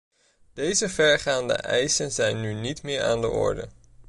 Deze verregaande eisen zijn nu niet meer aan de orde.